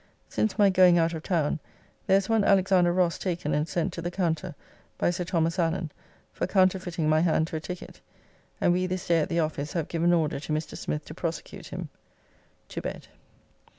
Since my going out of town, there is one Alexander Rosse taken and sent to the Counter by Sir Thomas Allen, for counterfeiting my hand to a ticket, and we this day at the office have given order to Mr. Smith to prosecute him. To bed.